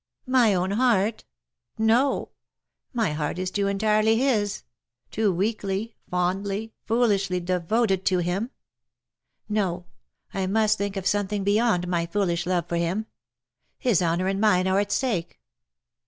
" My own heart ? No ; my heart is too entirely his — too weakly, fondly, foolishly, devoted to him. No, I must think of something beyond my foolish love for him. His honour and mine are at stake.